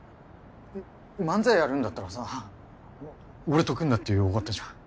漫才やるんだったらさぁ俺と組んだってよかったじゃん。